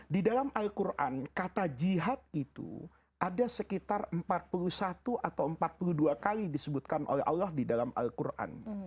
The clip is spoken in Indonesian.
di dalam al quran kata jihad itu ada sekitar empat puluh satu atau empat puluh dua kali disebutkan oleh allah di dalam al quran